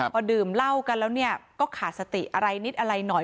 พอดื่มเหล้ากันแล้วเนี่ยก็ขาดสติอะไรนิดอะไรหน่อย